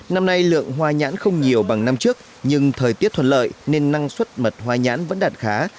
năm nay lượng hoa nhãn không nhiều bằng năm trước nhưng thời tiết thuận lợi nên năng suất mật hoa nhãn vẫn đạt khá